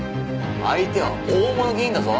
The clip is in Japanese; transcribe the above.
相手は大物議員だぞ！